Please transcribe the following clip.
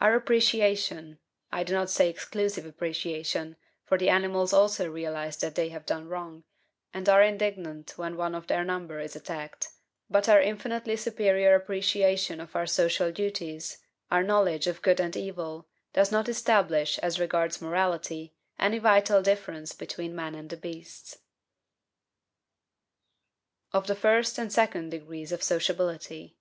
Our appreciation (I do not say exclusive appreciation, for the animals also realize that they have done wrong, and are indignant when one of their number is attacked, but), our infinitely superior appreciation of our social duties, our knowledge of good and evil, does not establish, as regards morality, any vital difference between man and the beasts. % 2. Of the first and second degrees of Sociability.